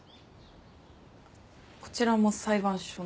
こちらも裁判所の？